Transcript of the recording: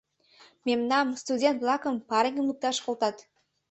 Мемнам, студент-влакым, пареҥгым лукташ колтат.